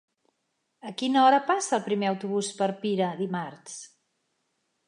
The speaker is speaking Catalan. A quina hora passa el primer autobús per Pira dimarts?